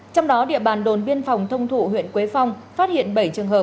trong đó địa bàn đồn biên phòng thông thụ huyện quế phong phát hiện bảy trường hợp